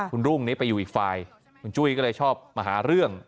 คุณรุ่งนี้ไปอยู่อีกฝ่ายคุณจุ้ยก็เลยชอบมาหาเรื่อง